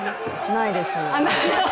ないです。